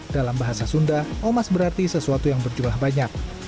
dalam bahasa sunda omas berarti sesuatu yang berjumlah banyak